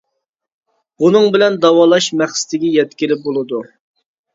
بۇنىڭ بىلەن داۋالاش مەقسىتىگە يەتكىلى بولىدۇ.